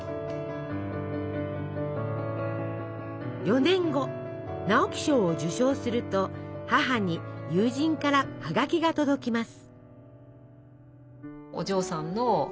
４年後直木賞を受賞すると母に友人から葉書が届きます。